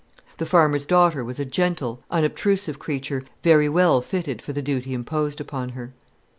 The farmer's daughter was a gentle, unobtrusive creature, very well fitted for the duty imposed upon her.